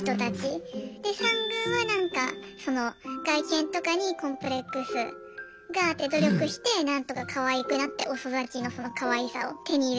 で３軍は外見とかにコンプレックスがあって努力してなんとかかわいくなって遅咲きのそのかわいさを手に入れるみたいな。